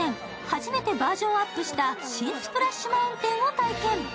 初めてバージョンアップした新スプラッシュ・マウンテンを体験。